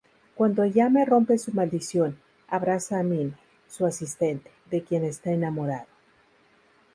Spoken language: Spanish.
Cuando Ayame rompe su maldición, abraza a Mine, su asistente, de quien está enamorado.